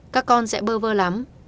các con sẽ bơ vơ lắm